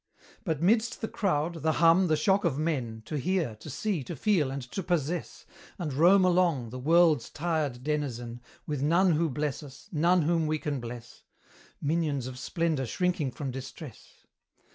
But midst the crowd, the hum, the shock of men, To hear, to see, to feel, and to possess, And roam along, the world's tired denizen, With none who bless us, none whom we can bless; Minions of splendour shrinking from distress!